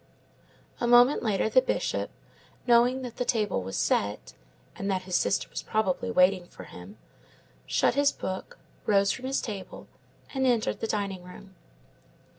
A moment later, the Bishop, knowing that the table was set, and that his sister was probably waiting for him, shut his book, rose from his table, and entered the dining room.